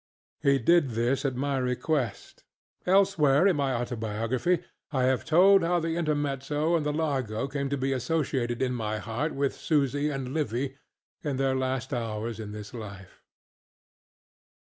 He did this at my request. Elsewhere in my Autobiography I have told how the Intermezzo and the Largo came to be associated in my heart with Susy and Livy in their last hours in this life.